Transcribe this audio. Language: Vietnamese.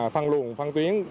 phân luận phân tuyến